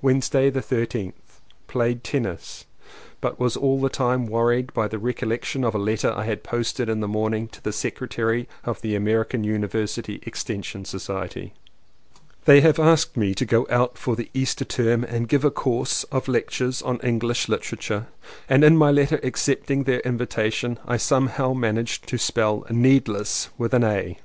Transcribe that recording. Wednesday the 13th. Played tennis, but was all the time wor ried by the recollection of a letter I had post ed in the morning to the secretary of the American University Extension Society. 208 LLEWELLYN POWYS They have asked me to go out for the Easter term and give a course of lectures on Eng lish hterature and in my letter accepting their invitation I somehow managed to spell "needless" with an "a".